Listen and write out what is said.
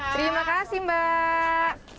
terima kasih mbak